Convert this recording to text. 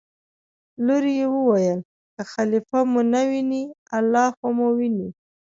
لور یې وویل: که خلیفه مو نه ویني الله خو مو ویني.